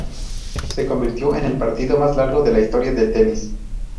Se convirtió en el partido más largo de la historia del tenis.